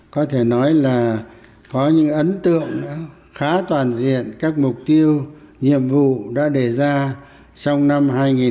có thể nói là có những ấn tượng khá toàn diện các mục tiêu nhiệm vụ đã đề ra trong năm hai nghìn hai mươi